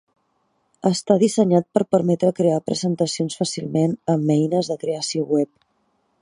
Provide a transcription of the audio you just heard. Està dissenyat per permetre crear presentacions fàcilment amb eines de creació web.